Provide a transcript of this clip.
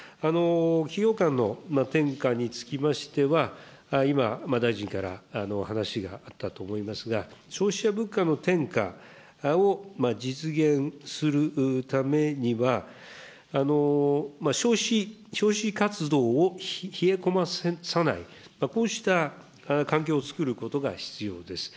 企業間の転嫁につきましては、今、大臣から話があったと思いますが、消費者物価の転嫁を実現するためには消費活動を冷え込まさない、こうした環境をつくることが必要です。